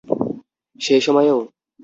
সেই সময়েও?